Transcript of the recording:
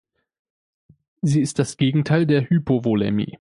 Sie ist das Gegenteil der Hypovolämie.